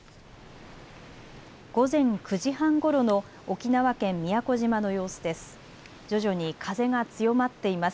午前９時半ごろの沖縄県宮古島の様子です。